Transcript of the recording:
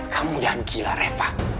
kamu udah gila reva